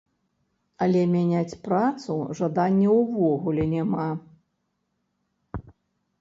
Але мяняць працу жадання ўвогуле няма.